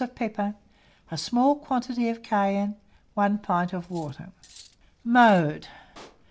of pepper, a small quantity of cayenne, 1 pint of water. Mode.